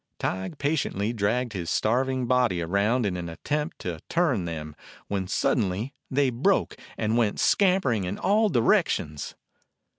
Tige patiently dragged his starving body around in an attempt to turn them, when sud denly they broke and went scampering in all directions.